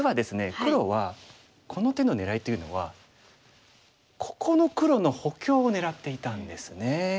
黒はこの手の狙いというのはここの黒の補強を狙っていたんですね。